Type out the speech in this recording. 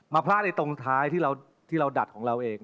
มาพลาดได้ตรงเท้าที่เราดัดของเราเอง